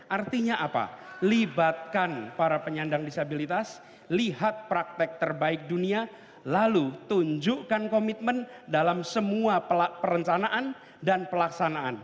artinya apa libatkan para penyandang disabilitas lihat praktek terbaik dunia lalu tunjukkan komitmen dalam semua perencanaan dan pelaksanaan